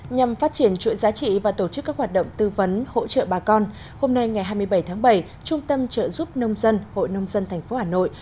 nhằm phát triển chuỗi giá trị và tổ chức các hoạt động tư vấn hỗ trợ bà con hôm nay ngày hai mươi bảy tháng bảy trung tâm trợ giúp nông dân hội nông dân tp hà nội